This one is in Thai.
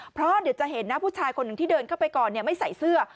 เพราะเดี๋ยวจะเห็นนะผู้ชายคนหนึ่งที่เดินเข้าไปก่อนไม่ใส่เสื้อ